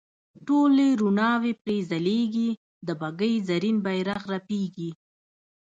ټولې روڼاوې پرې ځلیږي د بګۍ زرین بیرغ رپیږي.